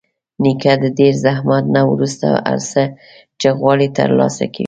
نیکه د ډېر زحمت نه وروسته هر څه چې غواړي ترلاسه کوي.